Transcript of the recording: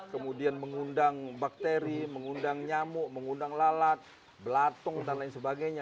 kemudian mengundang bakteri mengundang nyamuk mengundang lalat belatung dan lain sebagainya